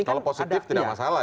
kalau positif tidak masalah ya